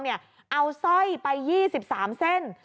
เอาสร้อยไป๒๓เส้น